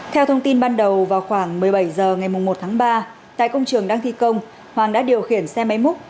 theo thông tin ban đầu vào khoảng một mươi bảy h ngày một tháng ba tại công trường đang thi công hoàng đã điều khiển xe máy múc